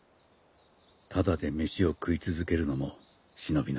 タダで飯を食い続けるのも忍びない。